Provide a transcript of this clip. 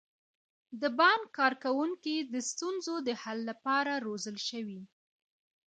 د بانک کارکوونکي د ستونزو د حل لپاره روزل شوي.